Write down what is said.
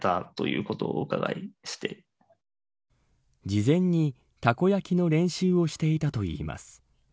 事前に、たこ焼きの練習をしていたといいます。